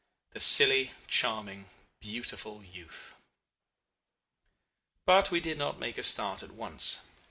The silly, charming, beautiful youth. "But we did not make a start at once.